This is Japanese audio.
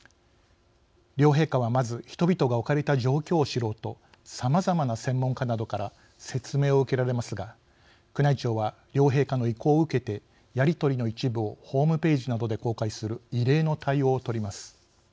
両陛下は、まず人々が置かれた状況を知ろうとさまざまな専門家などから説明を受けられますが宮内庁は、両陛下の意向を受けてやり取りの一部をホームページなどで公開する異例の対応を取ります。